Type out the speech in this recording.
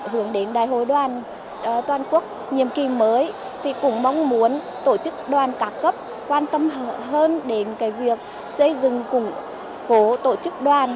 hướng đến đại hội đoàn toàn quốc nhiệm kỳ mới thì cũng mong muốn tổ chức đoàn các cấp quan tâm hơn đến việc xây dựng củng cố tổ chức đoàn